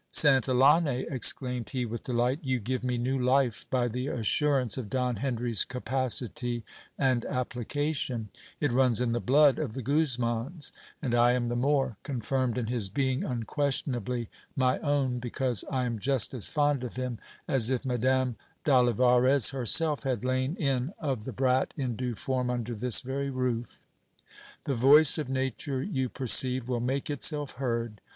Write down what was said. Santillane, exclaimed he with delight, you give me new life by the assurance of Don Henry's capacity and application : it runs in the blood of the Guzmans ; and I am the more con firmed in his being unquestionably my own, because I am just as fond of him as if Madame d'Olivarez herself had Iain in of the brat in due form under this very roof. The voice of nature, you perceive, will make itself heard.